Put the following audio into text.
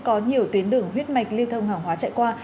có nhiều tuyến đường huyết mạch lưu thông hàng hóa chạy qua